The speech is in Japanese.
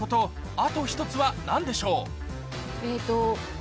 あと１つは何でしょう？